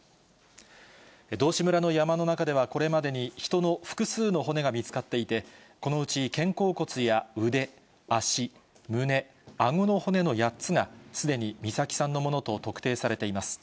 道志村の山の中では、これまでに人の複数の骨が見つかっていて、このうち肩甲骨や腕、足、胸、あごの骨の８つが、すでに美咲さんのものと特定されています。